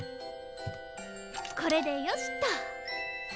これでよしっと。